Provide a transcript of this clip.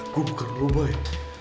gue bukan lo baik